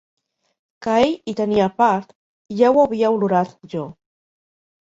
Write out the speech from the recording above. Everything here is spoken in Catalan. Que ell hi tenia part, ja ho havia olorat, jo!